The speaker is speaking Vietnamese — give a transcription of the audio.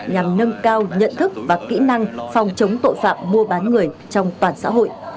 nhằm nâng cao nhận thức và kỹ năng phòng chống tội phạm mua bán người trong toàn xã hội